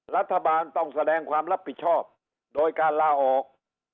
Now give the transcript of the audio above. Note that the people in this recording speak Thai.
รัฐบาลต้องแสดงความรับผิดชอบโดยการลาออก